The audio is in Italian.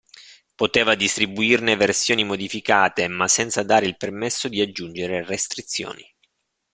Poteva distribuirne versioni modificate, ma senza dare il permesso di aggiungere restrizioni.